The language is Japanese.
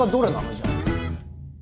じゃあ。